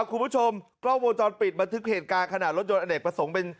คุณผู้ชมกล้องวงจรปิดบันทึกเหตุการณ์ขณะรถยนต์อเนกประสงค์เป็น